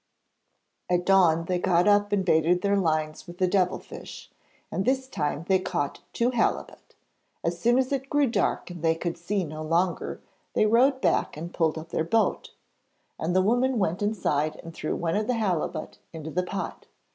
At dawn they got up and baited their lines with the devil fish, and this time they caught two halibut. As soon as it grew dark and they could see no longer, they rowed back and pulled up their boat, and the woman went inside and threw one of the halibut into the pot.